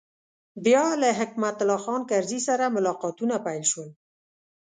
بیا له حکمت الله خان کرزي سره ملاقاتونه پیل شول.